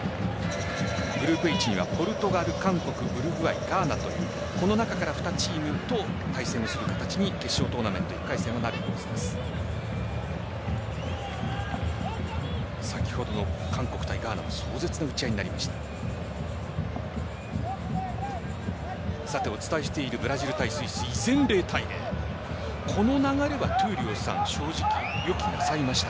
グループＨにはポルトガル韓国、ウルグアイ、ガーナというこの中から２チームと対戦をする形に決勝トーナメント１回戦になっています。